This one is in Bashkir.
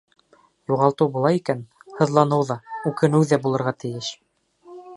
Юғалтыу була икән, Һыҙланыу ҙа, Үкенеү ҙә булырға тейеш.